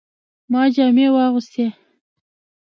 ما جامې واغستې